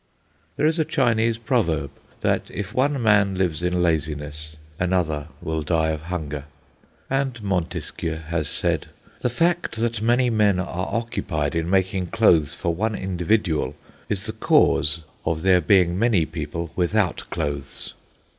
There is a Chinese proverb that if one man lives in laziness another will die of hunger; and Montesquieu has said, "The fact that many men are occupied in making clothes for one individual is the cause of there being many people without clothes."